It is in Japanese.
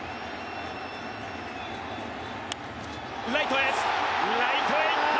ライトへ、ライトへいった！